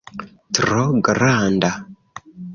Tro granda